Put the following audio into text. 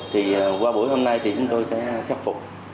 thì qua buổi hôm nay thì chúng tôi sẽ khắc phục